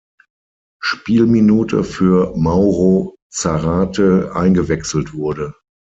Spielminute für Mauro Zárate eingewechselt wurde.